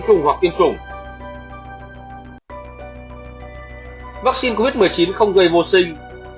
chủng hoặc tiêm chủng vắc xin covid một mươi chín không gây vô sinh